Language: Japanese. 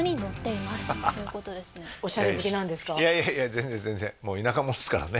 全然全然もう田舎者ですからね